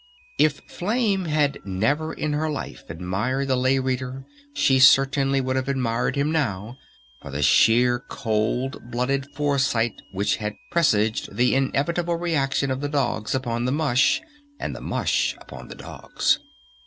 If Flame had never in her life admired the Lay Reader she certainly would have admired him now for the sheer cold blooded foresight which had presaged the inevitable reaction of the dogs upon the mush and the mush upon the dogs.